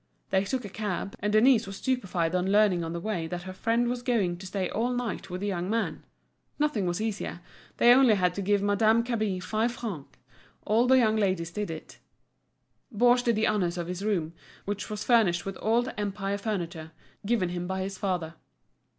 They took a cab, and Denise was stupefied on learning on the way that her friend was going to stay all night with the young man—nothing was easier, they only had to give Madame Cabin five francs, all the young ladies did it. Baugé did the honours of his room, which was furnished with old Empire furniture, given him by his father.